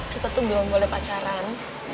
kita tuh belum boleh pacaran